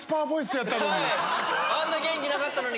あんな元気なかったのに。